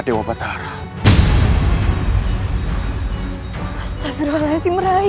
ternyata gusti ratu kentering manik